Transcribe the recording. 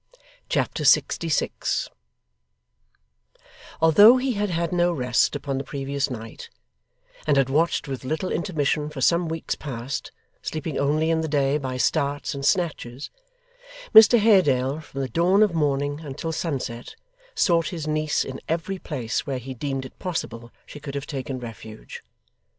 Chapter 66 Although he had had no rest upon the previous night, and had watched with little intermission for some weeks past, sleeping only in the day by starts and snatches, Mr Haredale, from the dawn of morning until sunset, sought his niece in every place where he deemed it possible she could have taken refuge.